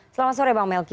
selamat sore bang melky